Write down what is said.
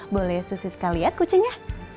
boleh susi sekali ya kucingnya